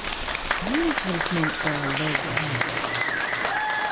Here is what is meant by a log house.